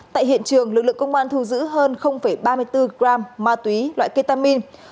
tại hiện trường lực lượng công an thu giữ hơn ba mươi bốn gram ma túy loại ketamin